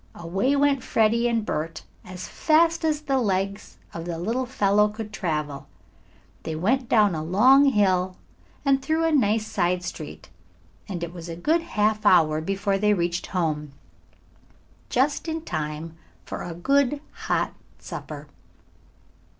Away went Freddie and Bert, as fast as the legs of the little fellow could travel. They went down a long hill and through a nice side street, and it was a good half hour before they reached home, just in time for a good hot supper.